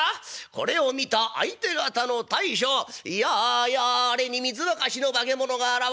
「これを見た相手方の大将やあやああれに水沸かしの化け物が現れた。